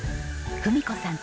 文子さん